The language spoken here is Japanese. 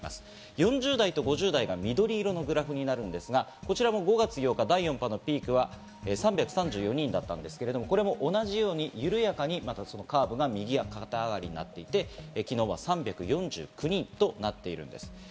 ４０代と５０代が緑色のグラフになるんですが、こちらも５月８日、第４波のピークは３３４人だったんですが、同じように緩やかにそのカーブが右肩上がりになっていて、昨日は３４９人となっています。